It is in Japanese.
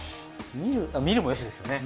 見る見るもよしですね。